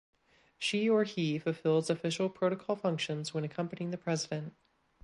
She or he fulfills official protocol functions when accompanying the president.